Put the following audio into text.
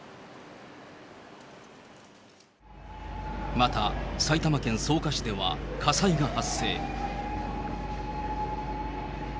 また埼玉県草加市では火災が発生。